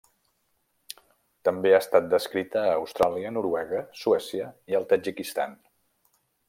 També ha estat descrita a Austràlia, Noruega, Suècia i el Tadjikistan.